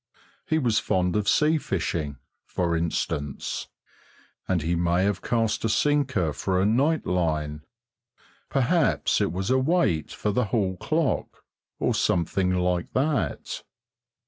He was fond of sea fishing, for instance, and he may have cast a sinker for a night line; perhaps it was a weight for the hall clock, or something like that.